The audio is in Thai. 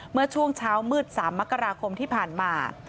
เมื่อช่วงเช้ามืด๓มกราคมที่ผ่านมา